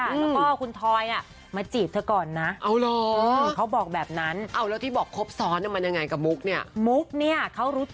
แล้วก็คุณทอยมาจีบเธอก่อนนะ